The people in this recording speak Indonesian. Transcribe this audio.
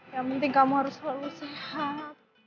yang penting kamu harus selalu sehat